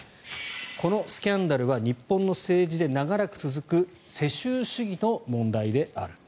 このスキャンダルは日本の政治で長らく続く世襲主義の問題である。